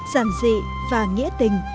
giản dị và nghĩa tình